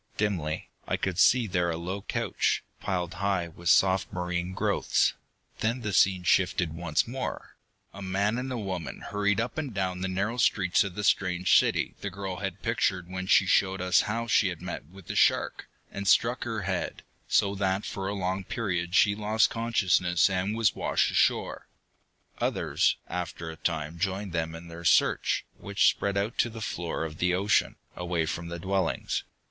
Dimly, I could see there a low couch, piled high with soft marine growths. Then the scene shifted once more. A man and a woman hurried up and down the narrow streets of the strange city the girl had pictured when she showed us how she had met with the shark, and struck her head, so that for a long period she lost consciousness and was washed ashore. Others, after a time, joined them in their search, which spread out to the floor of the ocean, away from the dwellings.